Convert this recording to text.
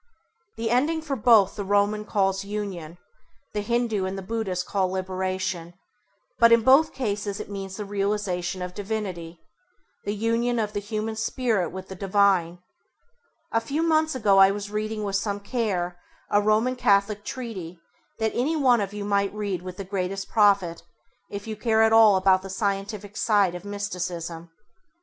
The ending for both the Roman calls Union, the Hindû and the Buddhist call Liberation, but in both cases it means the realisation of Divinity, the union of the human Spirit with the divine. A few months ago I was reading with some care a Roman Catholic treatise that any one of you might read with the greatest profit, if you care at all about the scientific side of Mysticism.